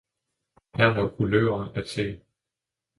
her var kulører at se.